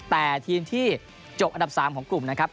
แต่ทีมที่จบอันดับ๓ของกลุ่มนะครับ